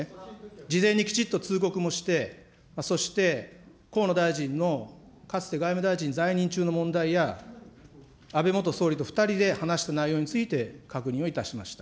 事前にきちっと通告もして、そして、河野大臣のかつて外務大臣在任中の問題や、安倍元総理と２人で話した内容について確認をいたしました。